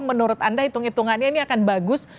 menurut anda hitung hitungannya ini akan bagus